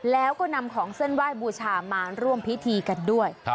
แล้วก็นำของเส้นไหว้บูชามาร่วมพิธีกันด้วย